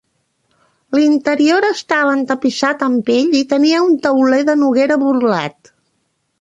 L'interior estava entapissat amb pell i tenia un tauler de noguera burlat.